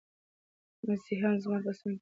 مسیحا زما په څنګ کې پاتې کېږي.